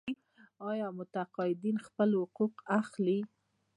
آیا متقاعدین خپل حقوق اخلي؟